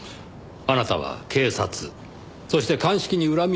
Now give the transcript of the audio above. あなたは警察そして鑑識に恨みを持っていた。